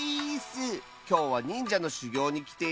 きょうはにんじゃのしゅぎょうにきているよ！